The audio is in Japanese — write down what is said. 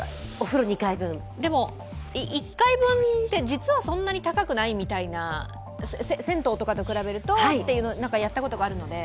でも、１回分って実はそんなに高くないみたいな銭湯とかと比べるとというのをやったことがあるので。